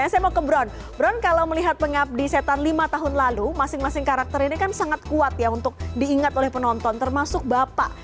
saya mau ke bron bron kalau melihat pengabdi setan lima tahun lalu masing masing karakter ini kan sangat kuat ya untuk diingat oleh penonton termasuk bapak